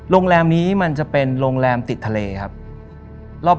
โรงแรมนี้มันจะเป็นโรงแรมติดทะเลครับ